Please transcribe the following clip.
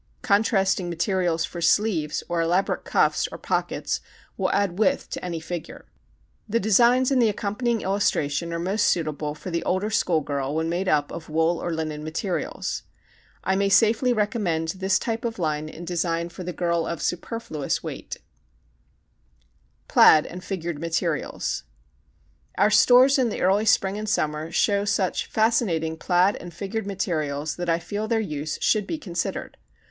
Contrasting materials for sleeves or elaborate cuffs or pockets will add width to any figure. The designs in the accompanying illustration are most suitable for the older school girl when made up of wool or linen materials. I may safely recommend this type of line in design for the girl of superfluous weight. [Illustration: GOOD LINES FOR STOUT FIGURES] Plaids and Figured Materials Our stores in the early spring and summer show such fascinating plaid and figured materials that I feel their use should be considered.